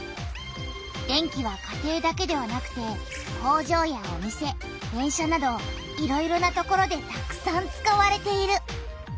電気は家庭だけではなくて工場やお店電車などいろいろな所でたくさん使われている。